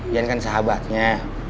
ian kan sahabatnya